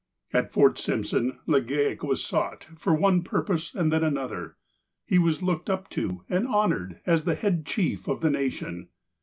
At Fort Simpson, Legale was sought, for one purpose and then another. He was looked up to and honoured as the head chief of the nation.